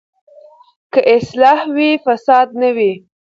که اصلاح وي، فساد نه وي.